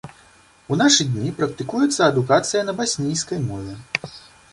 У нашы дні практыкуецца адукацыя на баснійскай мове.